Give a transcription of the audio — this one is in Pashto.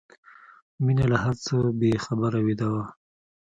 مينه له هر څه بې خبره ویده وه